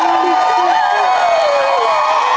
ครอบครับ